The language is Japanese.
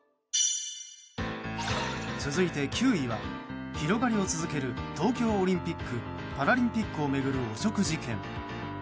続いて９位は広がりを続ける東京オリンピック・パラリンピックを巡る汚職事件。